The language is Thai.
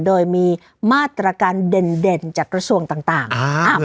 โดยมีมาตรการเด่นเด่นจากกระทรวงต่างต่างอ่า